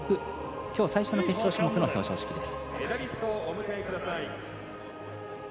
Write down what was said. きょう最初の決勝種目の表彰式です。